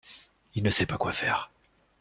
Il ne sait pas quoi faire.